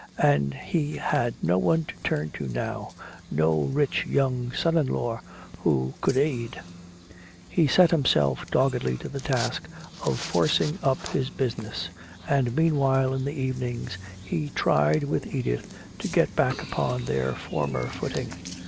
And he had no one to turn to now, no rich young son in law who could aid. He set himself doggedly to the task of forcing up his business, and meanwhile in the evenings he tried with Edith to get back upon their former footing.